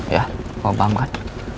ya kamu paham kan